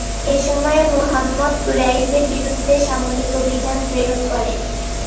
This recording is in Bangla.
এসময় মুহাম্মাদ কুরাইশদের বিরুদ্ধে সামরিক অভিযান প্রেরণ করেন।